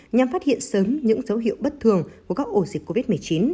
nhằm phát hiện sớm những dấu hiệu bất thường của các ổ dịch covid một mươi chín